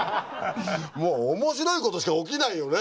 もう面白いことしか起きないよね